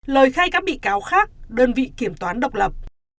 lời khai các bị cáo khác đơn vị kiểm toán độc lập